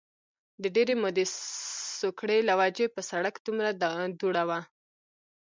د ډېرې مودې سوکړې له وجې په سړک دومره دوړه وه